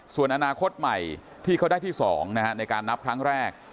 ส่วนอนาคตใหม่ที่เขาได้ที่๒ในการนับครั้งแรก